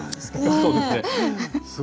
そうですね。